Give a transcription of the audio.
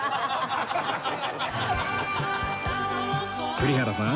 栗原さん